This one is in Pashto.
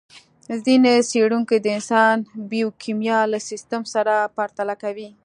ځينې څېړونکي د انسان بیوکیمیا له سیستم سره پرتله کوي.